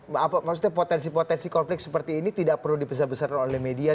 maksudnya potensi potensi konflik seperti ini tidak perlu dibesar besarkan oleh media